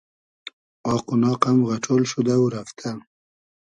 آق و ناق ام غئݖۉل شودۂ و رئفتۂ